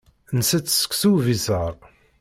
Ntett seksu ubiṣaṛ.